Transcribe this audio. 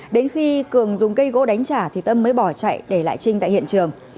đến khi cường dùng cây gỗ đánh trả thì tâm mới bỏ chạy để lại trinh tại hiện trường